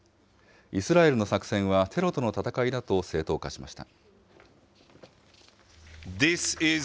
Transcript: イスラエルの作戦は、テロとの戦いだと正当化しました。